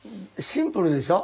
シンプルですね。